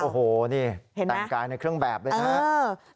โอ้โหนี่แต่งกายในเครื่องแบบเลยนะครับ